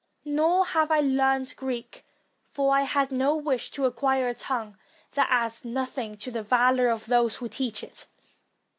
Nor have I learned Greek; for I had no wish to acquire a tongue that adds nothing to the valor of those who teach it.